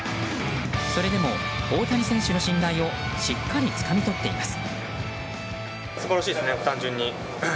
それでも、大谷選手の信頼をしっかりつかみとっています。